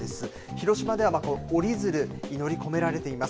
広島では折り鶴祈り、込められています。